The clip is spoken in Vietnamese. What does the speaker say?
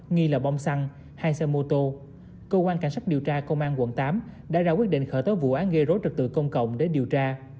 nghi là bông xăng hai xe mô tô cơ quan cảnh sát điều tra công an quận tám đã ra quyết định khởi tố vụ án gây rối trật tự công cộng để điều tra